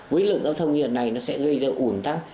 với lượng giao thông hiện nay nó sẽ gây ra ủn tắc